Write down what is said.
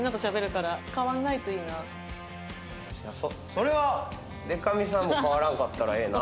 それはでか美さんも変わらんかったらええな。